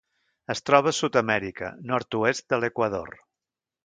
Es troba a Sud-amèrica: nord-oest de l'Equador.